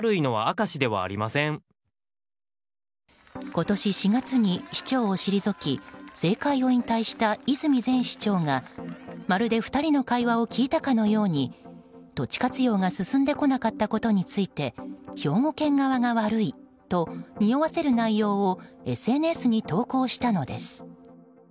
今年４月に市長を退き政界を引退した泉前市長がまるで２人の会話を聞いたかのように土地活用が進んでこなかったことについて兵庫県側が悪いとにおわせる内容をＳＮＳに投稿したのです。